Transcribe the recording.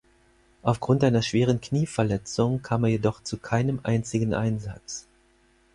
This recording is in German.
Auf Grund einer schweren Knieverletzung kam er jedoch zu keinem einzigen Einsatz.